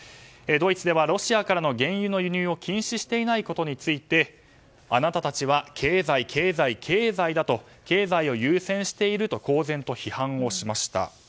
ドイツではロシアからの原油の輸入を禁止していないことについてあなたたちは経済、経済、経済だ！と経済を優先していると公然と批判をしました。